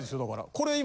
これ今。